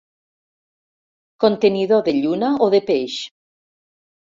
Contenidor de lluna o de peix.